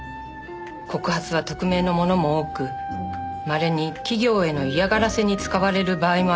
告発は匿名のものも多くまれに企業への嫌がらせに使われる場合もありますので。